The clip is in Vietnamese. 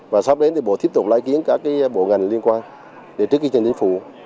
và sắp đến bộ tiếp tục lấy ý kiến các bộ ngành liên quan trước kỳ trình chính phủ